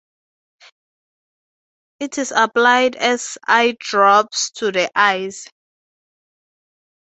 It is applied as eye drops to the eyes.